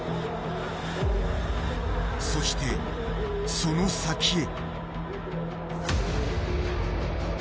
そしてその先へ。